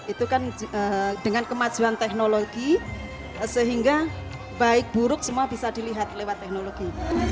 itu kan dengan kemajuan teknologi sehingga baik buruk semua bisa dilihat lewat teknologi